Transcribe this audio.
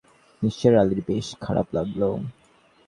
নিসার আলির বেশ খারাপ লাগল।